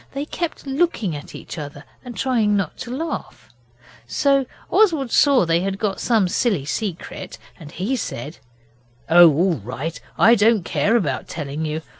They kept looking at each other and trying not to laugh, so Oswald saw they had got some silly secret and he said 'Oh, all right! I don't care about telling you.